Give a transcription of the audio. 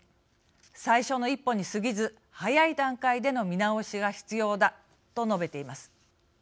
最初の一歩にすぎず早い段階での見直しが必要」だと述べています。